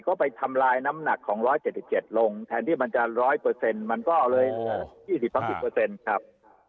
ก็ไปทำลายน้ำหนักของ๑๗๗ลงแทนที่มันจะ๑๐๐เปอร์เซ็นต์มันก็เอาเลย๒๐๒๐เปอร์เซ็นต์ครับ